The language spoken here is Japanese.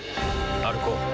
歩こう。